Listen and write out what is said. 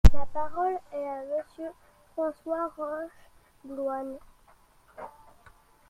La parole est à Monsieur François Rochebloine.